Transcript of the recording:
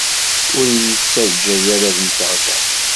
Ur yi-ttaǧǧa ara ad mmteɣ da.